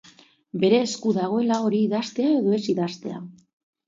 Bere esku dagoela hori idaztea edo ez idaztea.